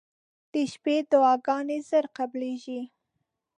• د شپې دعاګانې زر قبلېږي.